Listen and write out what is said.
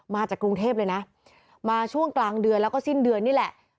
มาจากกรุงเทพเลยนะมาช่วงกลางเดือนแล้วก็สิ้นเดือนนี่แหละ